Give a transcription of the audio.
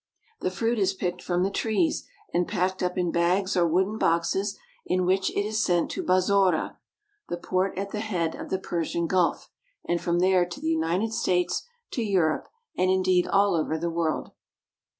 The fruit is picked from the trees and packed up in bags or wooden boxes in which it is sent to Bassora (bas's5 ra), the port at the head of the Persian Gulf, and from there to the United States, to Europe, and indeed all over the world.